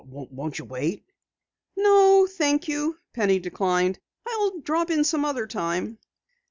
Won't you wait?" "No, thank you," Penny declined. "I'll drop in some other time."